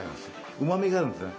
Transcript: うまみがあるんですよね。